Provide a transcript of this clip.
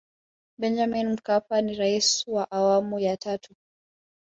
benjamin mkapa ni rais wa awamu ya tatu